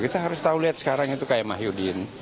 kita harus tahu lihat sekarang itu kayak mahyudin